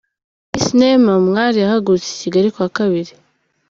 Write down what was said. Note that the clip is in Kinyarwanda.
Miss Neema Umwali yahagurutse i Kigali kuwa Kabiri.